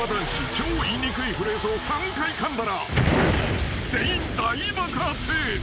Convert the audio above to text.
超言いにくいフレーズを３回かんだら全員大爆発］